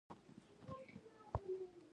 واړه پوځ سراج الدوله پوځ ته ماته ورکړه.